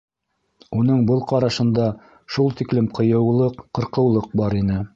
Уның был ҡарашында шул тиклем ҡыйыулыҡ, ҡырҡыулыҡ бар ине.